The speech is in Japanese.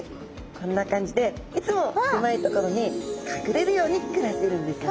こんな感じでいつも狭い所に隠れるように暮らしてるんですよ。